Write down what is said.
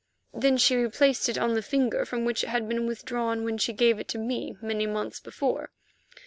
Then she replaced it on the finger from which it had been withdrawn when she gave it to me many months before.